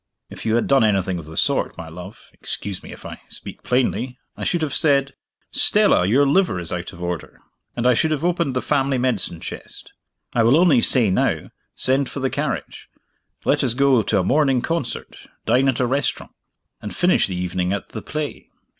"If you had done anything of the sort, my love (excuse me, if I speak plainly), I should have said, 'Stella, your liver is out of order'; and I should have opened the family medicine chest. I will only say now send for the carriage; let us go to a morning concert, dine at a restaurant, and finish the evening at the play."